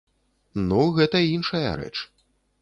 Ну, гэта іншая рэч.